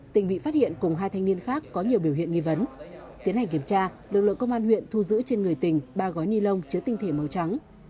tình bị phát hiện cùng hai thanh niên khác có nhiều biểu hiện nghi vấn tiến hành kiểm tra lực lượng công an huyện thu giữ trên người tình ba gói ni lông chứa tinh thể màu trắng